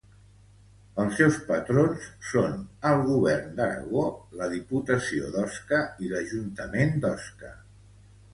Els seus patrons són el Govern d'Aragó, la Diputació d'Osca i l'Ajuntament d'Osca.